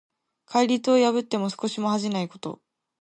戒律を破っても少しも恥じないこと。